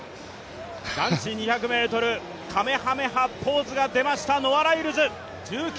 男子２００ｍ、かめはめ波ポーズが出ました、ノア・ライルズ。